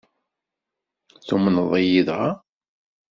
Tumneḍ-iyi dɣa?